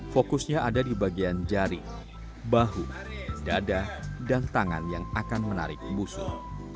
fokusnya ada di bagian jari bahu dada dan tangan yang akan menarik musuh